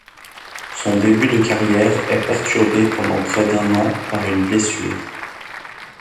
Son début de carrière est perturbé pendant près d'un an par une blessure.